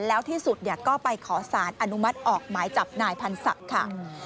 แล้วที่สุดก็ไปขอสารอนุมัติออกหมายจับนายพันศักดิ์ค่ะ